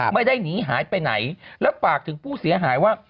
ไม่ได้หนีหายไปไหนแล้วฝากถึงผู้เสียหายว่า